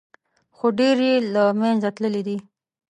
خو ډېر یې له منځه تللي دي.